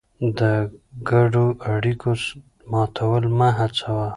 د ګډو اړیکو ماتول مه هڅوه.